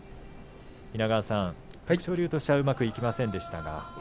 稲川さん、徳勝龍はうまくいきませんでしたね。